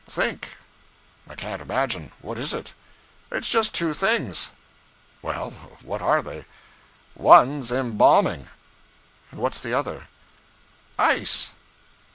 'Think.' 'I can't imagine. What is it?' 'It's just two things.' 'Well, what are they?' 'One's Embamming.' 'And what's the other?' 'Ice.'